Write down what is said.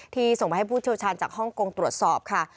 ส่งไปให้ผู้เชี่ยวชาญจากฮ่องกงตรวจสอบค่ะ